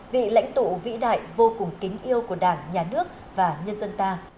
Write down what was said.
vị lãnh tụ vĩ đại vô cùng kính yêu của đảng nhà nước và nhân dân ta